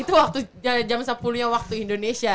itu waktu jam sepuluh waktu indonesia